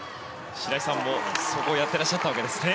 白井さんもそこをやってらっしゃったわけですね。